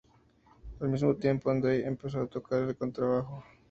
Al mismo tiempo Andrei empezó a tocar el contrabajo.